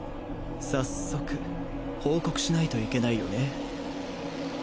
早速報告しないといけないよね。